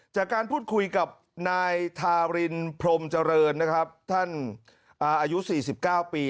จากการพูดคุยกับนายทารินพรมเจริญนะครับท่านอายุ๔๙ปี